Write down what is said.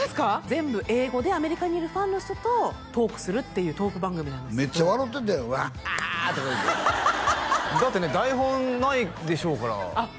全部英語でアメリカにいるファンの人とトークするっていうトーク番組なんですけどめっちゃ笑うてたよワハハッとか言うてだってね台本ないでしょうからあっ